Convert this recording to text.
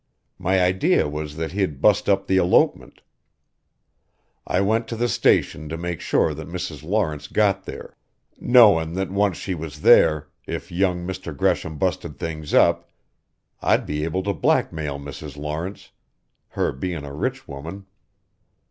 My idea was that he'd bust up the elopement. I went to the station to make sure that Mrs. Lawrence got there knowin' that once she' was there, if young Mr. Gresham busted things up, I'd be able to blackmail Mrs. Lawrence her bein' a rich woman.